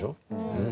うん。